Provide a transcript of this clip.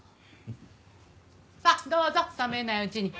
さあどうぞ冷めないうちに。